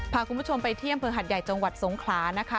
พาคุณผู้ชมไปที่อำเภอหัดใหญ่จังหวัดสงขลานะคะ